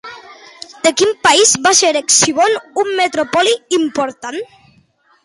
De quin país va ser Heixbon una metròpoli important?